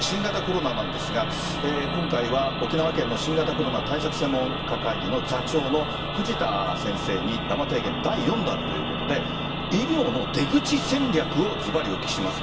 新型コロナなんですが今回は沖縄県の新型コロナ対策専門家会議の座長の藤田先生に生提言第４弾ということで医療の出口戦略をズバリお聞きします。